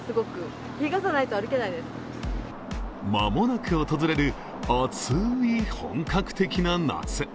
間もなく訪れる暑い本格的な夏。